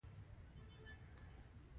دا ټیم له څو ډوله خلکو څخه جوړیږي.